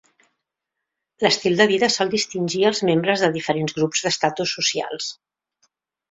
L'estil de vida sol distingir als membres de diferents grups d'estatus socials.